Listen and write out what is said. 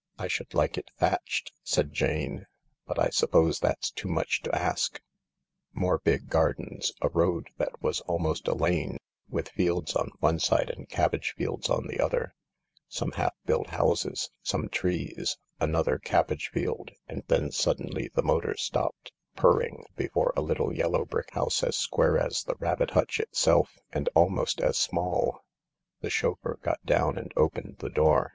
" I should like it thatched," said Jane, " but I suppose that's too much to expect." More big gardens — a road that was almost a lane, with fields on one side and cabbage fields on the other — some half built houses ^ some trees — another cabbage field — and then suddenly the motor stopped, purring, before a little yellow brick house as square as the rabbit hutch itself and almost as small. The chauffeur got down and opened the door.